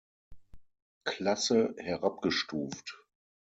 Klasse herabgestuft.